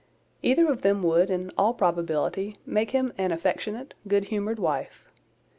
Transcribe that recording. Either of them would, in all probability, make him an affectionate, good humoured wife.